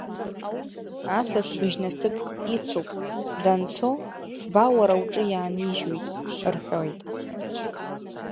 Асас быжьнасыԥк ицуп, данцо фба уара уҿы иаанижьуеит, — рҳәоит.